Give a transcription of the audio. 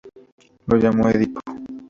Lo llamó Edipo.